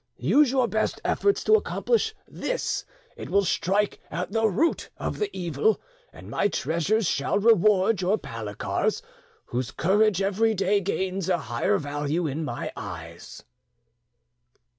Use your best efforts to accomplish this, it will strike at the root of the evil, and my treasures shall reward your Palikars, whose courage every day gains a higher value in my eyes."